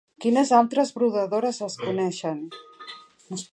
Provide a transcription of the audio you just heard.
Quines altres brodadores es coneixen?